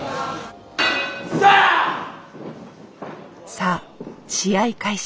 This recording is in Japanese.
さあ試合開始。